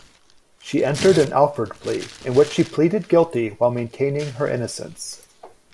She entered an Alford plea, in which she pleaded guilty while maintaining her innocence.